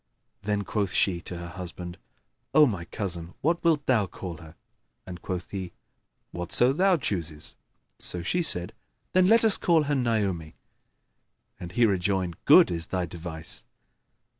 Then quoth she to her husband, "O my cousin, what wilt thou call her?"; and quoth he, "Whatso thou chooses"; so she said, "Then let us call her Naomi," and he rejoined "Good is thy device."